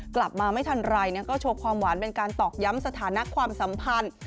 กลับมาไม่ทันไรก็โชว์ความหวานเป็นการตอกย้ำสถานะความสัมพันธ์